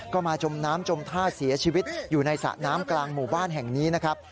ก็มาจมน้ำจมท่าเสียชีวิตอยู่ในสระน้ำกลางหมู่บ้านแห่งนี้นะครับ